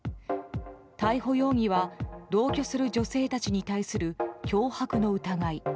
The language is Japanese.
逮捕容疑は同居する女性たちに対する脅迫の疑い。